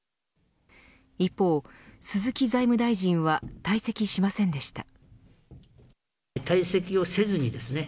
一方、鈴木財務大臣は退席しませんでした。